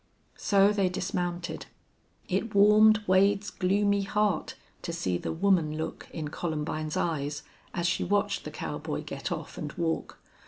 So they dismounted. It warmed Wade's gloomy heart to see the woman look in Columbine's eyes as she watched the cowboy get off and walk.